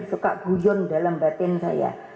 suka guyon dalam batin saya